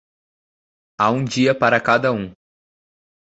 Há um dia para cada um.